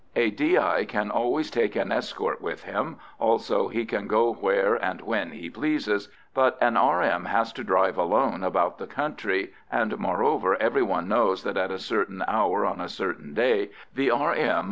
A D.I. can always take an escort with him, also he can go where and when he pleases; but an R.M. has to drive alone about the country, and, moreover, every one knows that at a certain hour on a certain day the R.M.